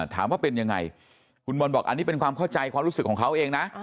ถามว่าเป็นยังไงคุณบอลบอกอันนี้เป็นความเข้าใจความรู้สึกของเขาเองนะ